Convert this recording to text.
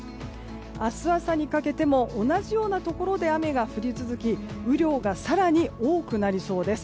明日朝にかけても同じようなところで雨が降り続き雨量が更に多くなりそうです。